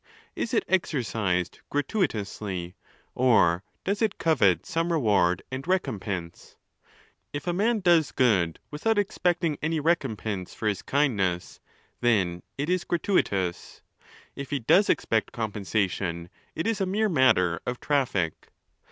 Ts it exercised gratuitously, or does it covet some reward and recompense? If a man does good without expecting any recompense for his kindness, then it is gratuitous: if he does expect compensation, it is a mere matter of traffic.